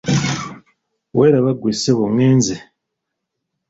Weeraba ggwe ssebo ngenze.